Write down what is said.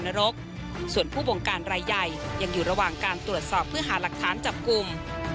นรกส่วนผู้บงการรายใหญ่ยังอยู่ระหว่างการตรวจสอบเพื่อหาหลักฐานจับกลุ่ม